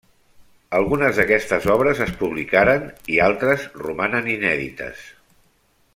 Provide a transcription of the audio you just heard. Algunes d'aquestes obres es publicaren i altres romanen inèdites.